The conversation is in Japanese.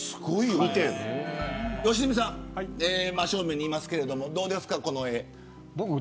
良純さん、真正面にいますがどうですか、この絵。